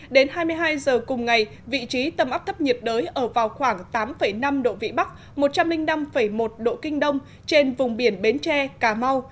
đến hai mươi hai giờ cùng ngày vị trí tâm áp thấp nhiệt đới ở vào khoảng tám năm độ vĩ bắc một trăm linh năm một độ kinh đông trên vùng biển bến tre cà mau